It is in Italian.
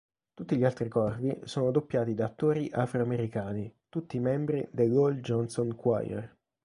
Tutti gli altri corvi sono doppiati da attori afro-americani, tutti membri dell'Hall Johnson Choir.